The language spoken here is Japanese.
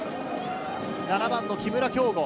７番の木村匡吾。